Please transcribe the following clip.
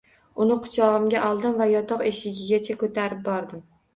Uni quchog‘imga oldim va yotoq eshigigacha ko‘tarib bordim